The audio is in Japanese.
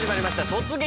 「突撃！